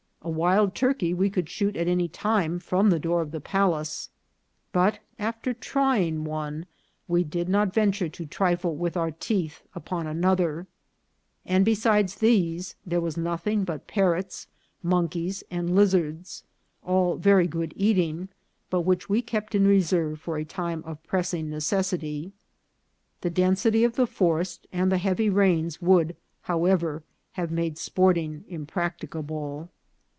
A wild turkey we could shoot at any time from the door of the palace ; but, after trying one, we did. not venture to trifle with our teeth upon another ; and besides these, there was nothing but parrots, mon keys, and lizards, all very good eating, but which we kept in reserve for a time of pressing necessity. The density of the forest and the heavy rains would, how ever, have made sporting impracticable.